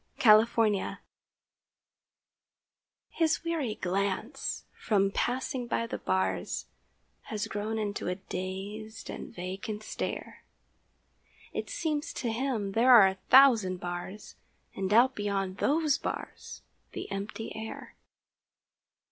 THE PANTHER His weary glance, from passing by the bars, Has grown into a dazed and vacant stare; It seems to him there are a thousand bars And out beyond those bars the empty air.